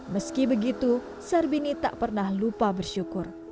meski begitu sarbini tak pernah lupa bersyukur